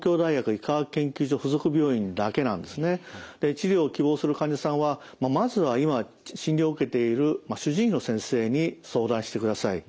治療を希望する患者さんはまずは今診療を受けている主治医の先生に相談してください。